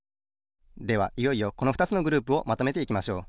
ではいよいよこのふたつのグループをまとめていきましょう。